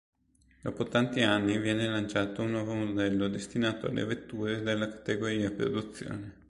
Dopo tanti anni viene lanciato un nuovo modello destinato alle vetture della categoria produzione.